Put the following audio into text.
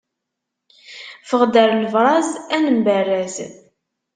Ffeɣ-d ar lebraz, ad nemberraz!